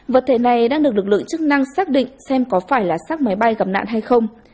vật thể này đang được lực lượng chức năng xác định xem có phải là sắc máy bay gặp nạn hay không